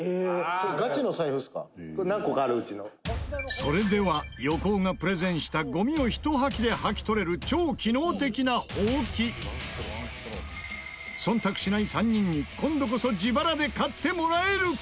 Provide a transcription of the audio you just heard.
それでは、横尾がプレゼンしたゴミを一掃きで掃き取れる超機能的なホウキ忖度しない３人に、今度こそ自腹で買ってもらえるか？